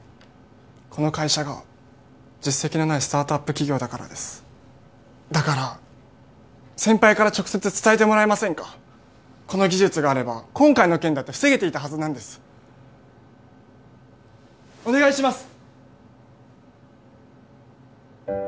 この会社が実績のないスタートアップ企業だからですだから先輩から直接伝えてもらえませんかこの技術があれば今回の件だって防げていたはずなんですお願いします！